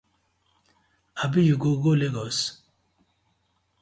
Abi you go go Legos?